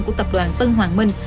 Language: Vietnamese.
của tập đoàn tân hoàng minh